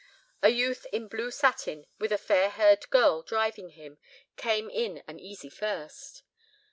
A youth in blue satin with a fair haired girl driving him came in an easy first.